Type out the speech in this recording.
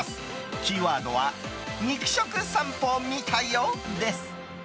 キーワードは「肉食さんぽ見たよ」です。